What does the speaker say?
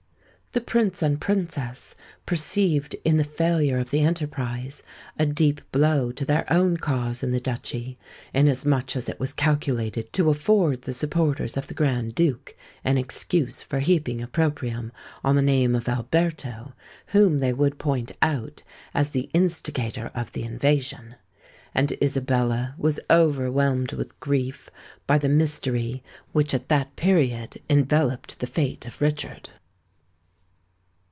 The Prince and Princess perceived in the failure of the enterprise a deep blow to their own cause in the Duchy, inasmuch as it was calculated to afford the supporters of the Grand Duke an excuse for heaping opprobrium on the name of Alberto, whom they would point out as the instigator of the invasion;—and Isabella was overwhelmed with grief by the mystery which at that period enveloped the fate of Richard.